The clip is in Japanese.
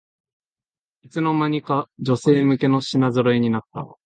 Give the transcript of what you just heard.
いつの間にか女性向けの品ぞろえになった